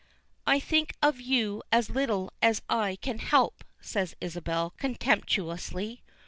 "I think of you as little as I can help," says Isabel, contemptuously.